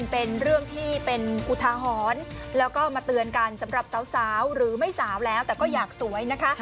เป็นเรื่องที่เป็นอุทาหรณ์แล้วก็มาเตือนกันสำหรับสาวหรือไม่สาวแล้วแต่ก็อยากสวยนะคะ